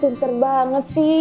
wih pinter banget sih